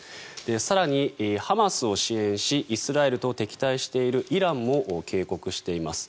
更に、ハマスを支援しイスラエルと敵対しているイランも警告しています。